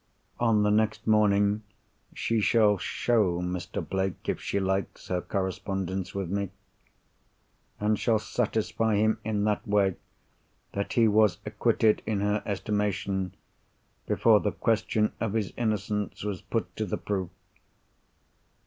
On the next morning, she shall show Mr. Blake (if she likes) her correspondence with me, and shall satisfy him in that way that he was acquitted in her estimation, before the question of his innocence was put to the proof.